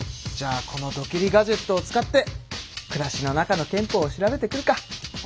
じゃあこのドキリ・ガジェットを使って暮らしの中の憲法を調べてくるか。